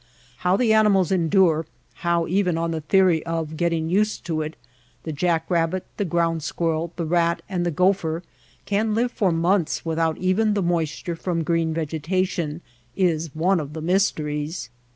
How the animals endure, how — even on the theory of getting used to it — the jack rabbit, the ground squirrel, the rat, and the gopher can live for months without even the moisture from green vegetation, is one of the mysteries.